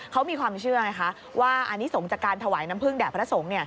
เขามีความเชื่อไงคะว่าอันนี้สงฆ์จากการถวายน้ำพึ่งแด่พระสงฆ์